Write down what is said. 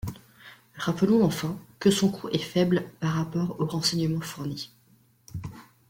Rappelons enfin, que son coût est faible par rapport aux renseignements fournis.